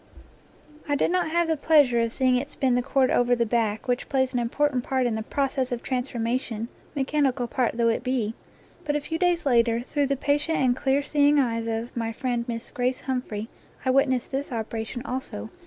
I did not have the pleasure of seeing it spin the cord over the back which plays an important part NATURE LORE in the process of transformation, mechanical part though it be; but a few days later, through the patient and clear seeing eyes of my friend Miss Grace Humphrey, I witnessed this operation also.